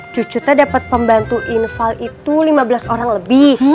cucu dapet pembantu infal itu lima belas orang lebih